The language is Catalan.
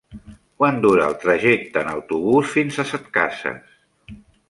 Quant dura el trajecte en autobús fins a Setcases?